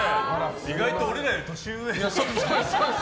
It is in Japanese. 意外と俺らより年上。